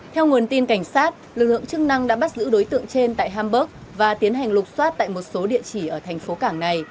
theo nguồn tin cảnh sát lực lượng chức năng đã bắt giữ đối tượng trên tại hamburg và tiến hành lục xoát tại một số địa chỉ ở thành phố cảng này